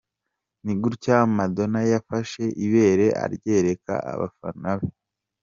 Ni gutya Madonna yafashe ibere aryereka abafana be.